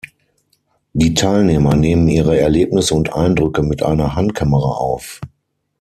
Die Teilnehmer nehmen ihre Erlebnisse und Eindrücke mit einer Handkamera auf.